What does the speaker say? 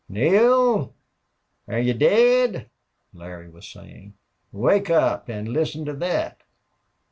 "Neale air you daid?" Larry was saying. "Wake up! An' listen to thet."